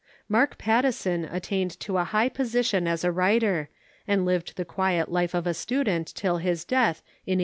Mark Pattison attained to a high po sition as a Avriter, and lived the quiet ^i^e of a student till his death, in 1884.